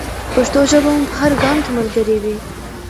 پښتو ژبه مو په هر ګام کې ملګرې وي.